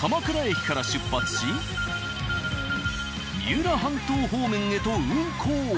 鎌倉駅から出発し三浦半島方面へと運行。